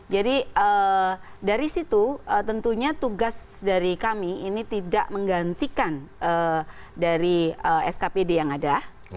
jadi dari situ tentunya tugas dari kami ini tidak menggantikan dari skpd yang ada